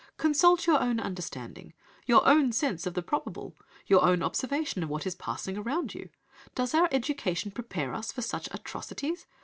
Consult your own understanding, your own sense of the probable, your own observation of what is passing around you. Does our education prepare us for such atrocities?